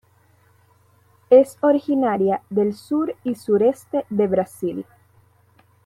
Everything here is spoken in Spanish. Es originaria del sur y sureste de Brasil.